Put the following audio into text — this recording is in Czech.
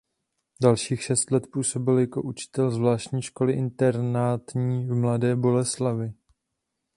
Dalších šest let působil jako učitel Zvláštní školy internátní v Mladé Boleslavi.